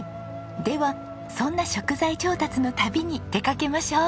ではそんな食材調達の旅に出かけましょう。